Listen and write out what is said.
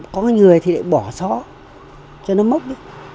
có người thì lại bỏ xó cho nó mốc đi